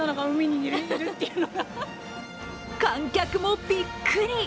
観客もびっくり。